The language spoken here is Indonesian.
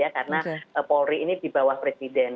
karena polri ini di bawah presiden